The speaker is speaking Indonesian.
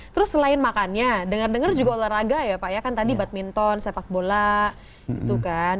terus selain makannya dengar dengar juga olahraga ya pak ya kan tadi badminton sepak bola gitu kan